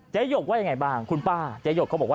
หยกว่ายังไงบ้างคุณป้าเจ๊หยกเขาบอกว่า